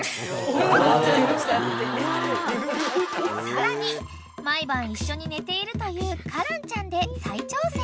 ［さらに毎晩一緒に寝ているというカランちゃんで再挑戦］